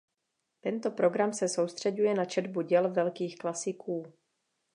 Tento program se soustřeďuje na četbu děl velkých klasiků.